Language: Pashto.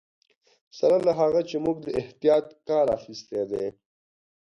سره له هغه چې موږ له احتیاط کار اخیستی دی.